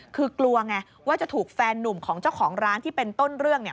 คือกลัวไงว่าจะถูกแฟนนุ่มของเจ้าของร้านที่เป็นต้นเรื่องเนี่ย